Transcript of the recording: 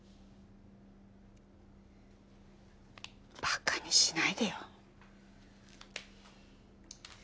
バカにしないでよ！